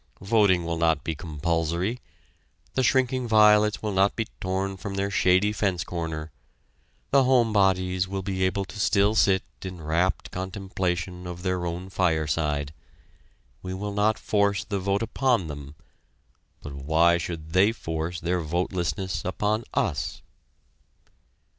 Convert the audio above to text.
Voting will not be compulsory; the shrinking violets will not be torn from their shady fence corner; the "home bodies" will be able to still sit in rapt contemplation of their own fireside. We will not force the vote upon them, but why should they force their votelessness upon us?